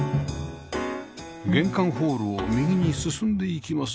玄関ホールを右に進んでいきますと